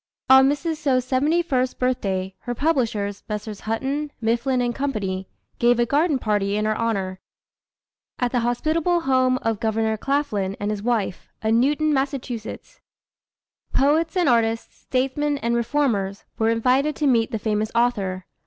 On Mrs. Stowe's seventy first birthday, her publishers, Messrs. Houghton, Mifflin & Co., gave a garden party in her honor, at the hospitable home of Governor Claflin and his wife, at Newton, Mass. Poets and artists, statesmen and reformers, were invited to meet the famous author.